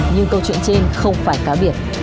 nhưng câu chuyện trên không phải cá biệt